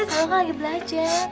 sawa kan lagi belajar